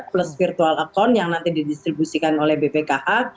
plus virtual account yang nanti didistribusikan oleh bpkh